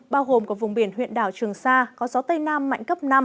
bao gồm cả vùng biển huyện đảo trường sa có gió tây nam mạnh cấp năm